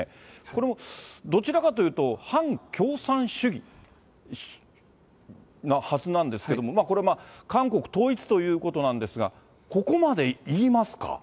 これもどちらかというと、反共産主義なはずなんですけれども、これ、韓国統一ということなんですが、ここまで言いますか。